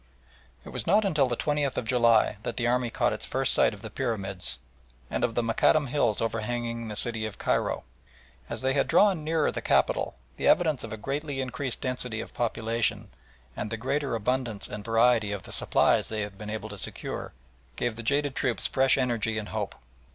It was not until the 20th of July that the army caught its first sight of the pyramids and of the Mokattam hills overhanging the city of Cairo. As they had drawn nearer the capital, the evidence of a greatly increased density of population, and the greater abundance and variety of the supplies they had been able to secure, gave the jaded troops fresh energy and hope.